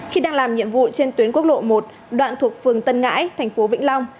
khi đang làm nhiệm vụ trên tuyến quốc lộ một đoạn thuộc phường tân ngãi thành phố vĩnh long